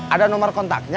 ada nomor kontaknya